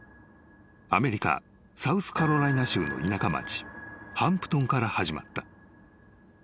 ［アメリカサウスカロライナ州の田舎町ハンプトンから始まった］